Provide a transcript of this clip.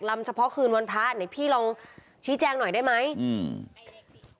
เฉพาะคืนวันพระไหนพี่ลองชี้แจงหน่อยได้ไหมอืม